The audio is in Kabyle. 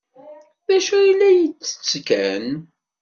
D acu ay la yettett Ken?